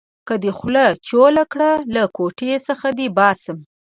که دې خوله چوله کړه؛ له کوټې څخه دې باسم.